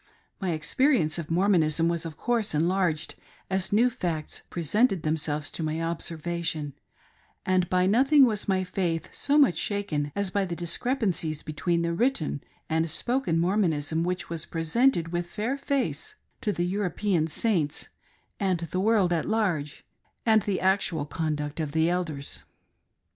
My experience of Mormonism was of course enlarged as new facts presented themselves to my observation, and by nothing was my faith so much shaken as by the dis crepancies between the written and spoken Mormonism which ■ was presented with fair face to the European, Saints and the world at large, and the actual conduct of the Elders.